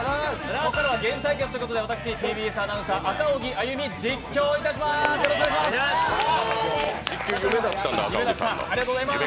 ここからはゲーム対決ということで、私・ＴＢＳアナウンサー、赤荻歩、実況いたしますお願いします。